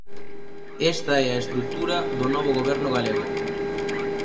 Esta é a estrutura do novo Goberno galego.